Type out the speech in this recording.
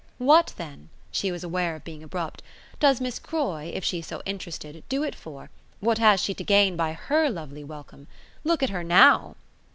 "What then" she was aware of being abrupt "does Miss Croy, if she's so interested, do it for? What has she to gain by HER lovely welcome? Look at her NOW!"